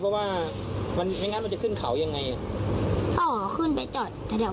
เพราะว่ามันไม่งั้นมันจะขึ้นเขายังไงอ๋อขึ้นไปจอดแถว